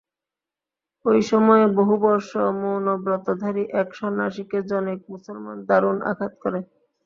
ঐ সময়ে বহুবর্ষ-মৌনব্রতধারী এক সন্ন্যাসীকে জনৈক মুসলমান দারুণ আঘাত করে।